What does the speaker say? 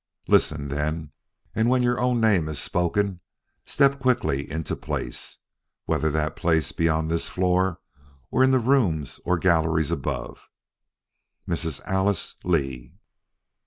Listen, then, and when your own name is spoken, step quickly into place, whether that place be on this floor or in the rooms or galleries above. Mrs. Alice Lee!"